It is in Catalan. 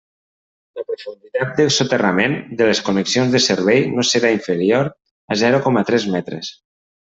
La profunditat de soterrament de les connexions de servei no serà inferior a zero coma tres metres.